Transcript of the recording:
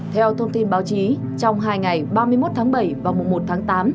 theo thông tin báo chí trong hai ngày ba mươi một tháng bảy và mùa một tháng tám